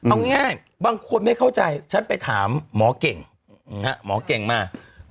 เอาง่ายบางคนไม่เข้าใจฉันไปถามหมอเก่งหมอเก่งมา